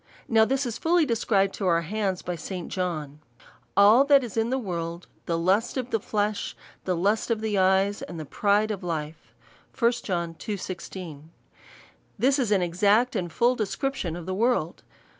Now this is fully described to our hands by St. John. All that is in the world, the lust of the flesh, the lust of the cj/es, and the pride of life, &c. 1 John iii. 16. This is an exact and full description of the world.